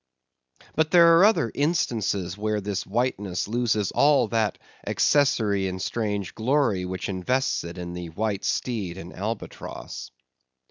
But there are other instances where this whiteness loses all that accessory and strange glory which invests it in the White Steed and Albatross.